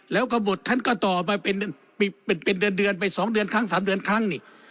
แล้วก็หมดท่านก็ต่อไปเป็นเดือน๒๓เดือนครั้ง